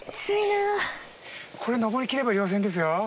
これ登りきれば稜線ですよ。